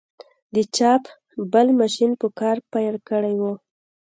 د چاپ بل ماشین په کار پیل کړی و.